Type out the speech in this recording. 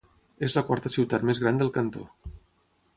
És la quarta ciutat més gran del cantó.